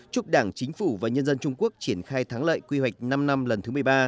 chúc đảng chính phủ và nhân dân trung quốc triển khai thắng lợi quy hoạch năm năm lần thứ một mươi ba